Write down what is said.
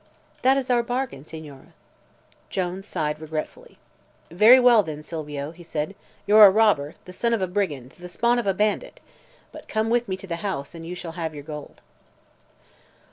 "That is our bargain, Signore." Jones sighed regretfully. "Very well, then, Silvio," he said. "You're a robber the son of a brigand the spawn of a bandit! But come with me to the house, and you shall have your gold."